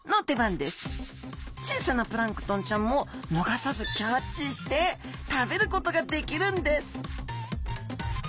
小さなプランクトンちゃんも逃さずキャッチして食べることができるんです！